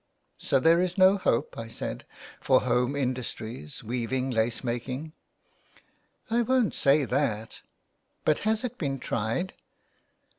" So there is no hope," I said, '^ for home industries, weaving, lace making." " I won't say that'' " But has it been tried